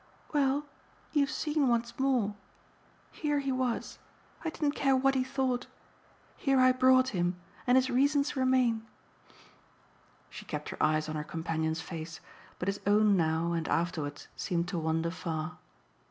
"Well you've seen once more. Here he was. I didn't care what he thought. Here I brought him. And his reasons remain." She kept her eyes on her companion's face, but his own now and afterwards seemed to wander far.